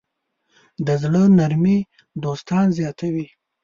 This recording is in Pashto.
د زړۀ نرمي دوستان زیاتوي.